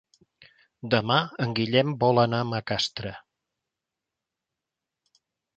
Demà en Guillem vol anar a Macastre.